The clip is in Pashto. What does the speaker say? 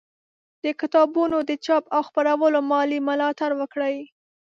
د کتابونو د چاپ او خپرولو مالي ملاتړ وکړئ